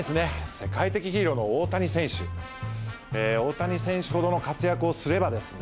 世界的ヒーローの大谷選手大谷選手ほどの活躍をすればですね